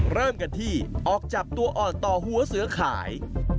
เริ่มกันที่ออกจับตัวอ่อนต่อหัวเสือขาย